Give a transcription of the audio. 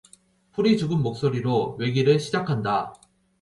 풀이 죽은 목소리로 외기를 시작한다.